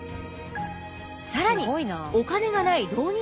更にお金がない浪人たちには。